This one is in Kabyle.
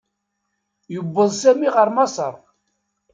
Yewweḍ Sami ɣer Maṣeṛ.